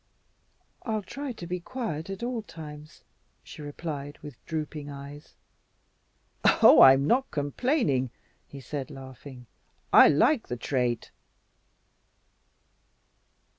"I'll try to be quiet at all times," she replied, with drooping eyes. "Oh, I'm not complaining!" he said, laughing. "I like the trait."